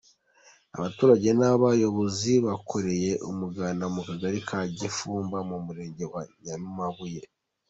Abaturage n’abayobozi bakoreye umuganda mu Kagari ka Gifumba mu Murenge wa Nyamabuye.